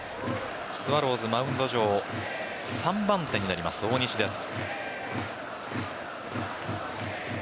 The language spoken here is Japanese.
スワローズ、マウンド上３番手になります大西です。